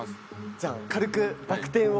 じゃあ軽くバク転を。